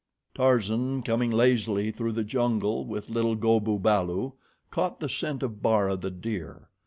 Tarzan coming lazily through the jungle with little Go bu balu, caught the scent of Bara, the deer.